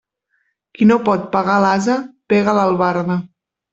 Qui no pot pegar a l'ase pega a l'albarda.